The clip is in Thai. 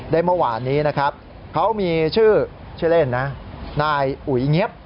เมื่อวานนี้นะครับเขามีชื่อชื่อเล่นนะนายอุ๋ยเงี๊ยบ